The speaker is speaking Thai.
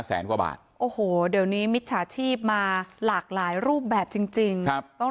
แสนกว่าบาทโอ้โหเดี๋ยวนี้มิจฉาชีพมาหลากหลายรูปแบบจริงครับต้อง